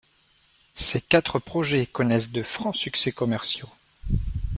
Ces quatre projets connaissent de francs succès commerciaux.